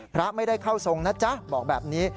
พระไม่ได้เข้าทรงนะจ๊ะบอกแบบนี้